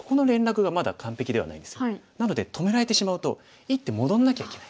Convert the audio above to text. なので止められてしまうと１手戻んなきゃいけない。